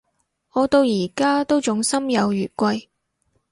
我到而家都仲心有餘悸